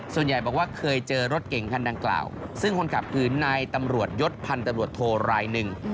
ส่วนใหญ่บอกว่าเคยเจอรถเก่งคันดังกล่าวซึ่งคนขับคือนายตำรวจยศพันธบรวจโทรายหนึ่ง